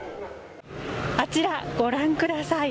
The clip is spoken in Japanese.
あちら御覧ください。